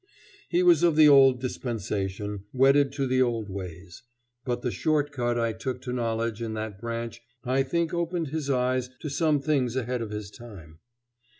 He was of the old dispensation, wedded to the old ways. But the short cut I took to knowledge in that branch I think opened his eyes to some things ahead of his time.